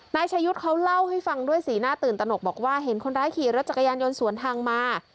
นายชายุทธ์เขาเล่าให้ฟังด้วยสีหน้าตื่นตนกบอกว่าเห็นคนร้ายขี่รถจักรยานยนต์สวนทางมา